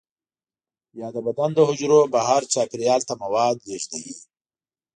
یا د بدن د حجرو بهر چاپیریال ته مواد لیږدوي.